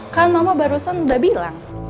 kan mama barusan udah bilang